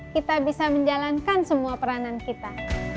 kita bisa menjalankan semua peranan kita